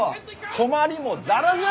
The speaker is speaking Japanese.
泊まりもザラじゃ！